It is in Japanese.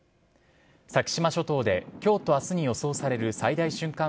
先島諸島できょうとあすに予想される最大瞬間